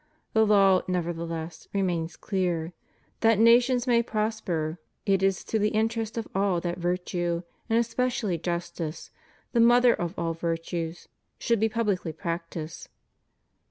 The law, nevertheless, remains clear: that nations may prosper, it is to the interest of all that virtue — and espe cially justice, the mother of all virtues — should be pub licly practised.